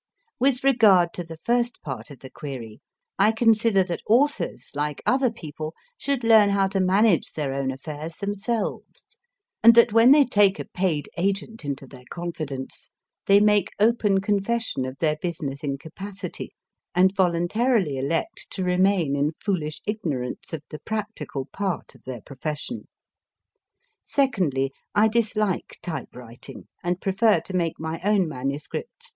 With regard to the first part of the query, I consider that authors, like other people, should learn how to manage their own affairs themselves, and that when they take a paid agent into their confidence, they make open confession of their business incapacity, and voluntarily elect to remain in foolish ignorance of the practical part of their profession. Secondly, I dislike type writing, and prefer to make my own MS.